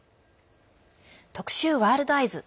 特集「ワールドＥＹＥＳ」。